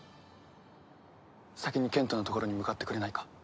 先に賢人の所に向かってくれないか？